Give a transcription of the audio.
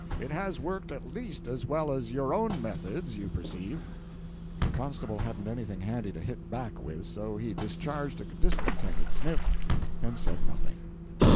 It has worked at least as well as your own methods, you perceive." The constable hadn't anything handy to hit back with, so he discharged a discontented sniff, and said nothing.